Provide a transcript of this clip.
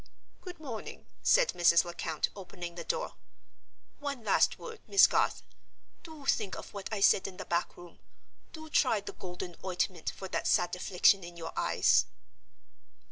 "Good morning," said Mrs. Lecount, opening the door. "One last word, Miss Garth. Do think of what I said in the back room! Do try the Golden Ointment for that sad affliction in your eyes!"